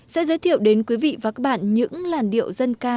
sẽ giới thiệu đến quý vị và các bạn những làn điệu dân ca